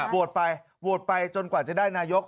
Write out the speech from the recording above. โหวตไปโหวตไปจนกว่าจะได้นายก